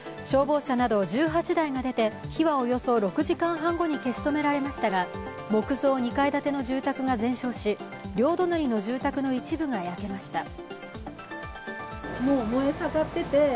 消防車など１８台が出て火はおよそ６時間半後に消し止められましたが木造２階建ての住宅が全焼し両隣の住宅の一部が焼けました。